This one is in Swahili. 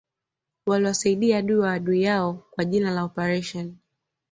waliwasaidia adui wa adui yao kwa jina la oparesheni